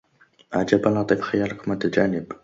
عجبا لطيف خيالك المتجانب